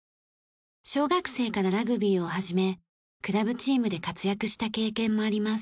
小学生からラグビーを始めクラブチームで活躍した経験もあります。